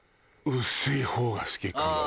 薄い方が好きかも。